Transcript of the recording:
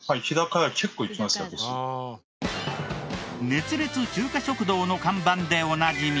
「熱烈中華食堂」の看板でおなじみ。